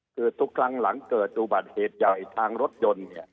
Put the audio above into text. คือทุกครั้งหลังเกิดอุบัติเหตุใหญ่ทางรถยนต์เนี่ย